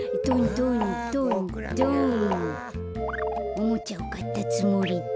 おもちゃをかったつもりで。